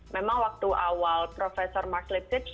memang waktu awal prof mark lipcich